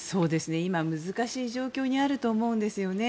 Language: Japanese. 今、難しい状況にあると思うんですよね。